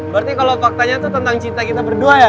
berarti kalo faktanya tuh tentang cinta kita berdua ya